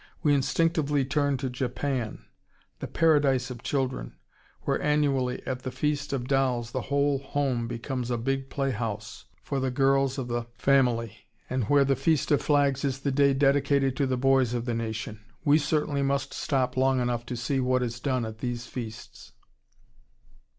We instinctively turn to Japan, "the paradise of children," where annually at the "Feast of Dolls" the whole home becomes a big playhouse for the girls of the family, and where the "Feast of Flags" is the day dedicated to the boys of the nation. We certainly must stop long enough to see what is done at these feasts.